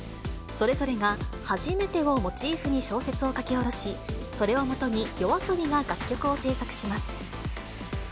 それぞれがはじめてをモチーフに小説を書き下ろし、それをもとにＹＯＡＳＯＢＩが楽曲を制作します。